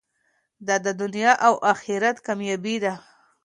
دا د دنیا او اخرت کامیابي ده.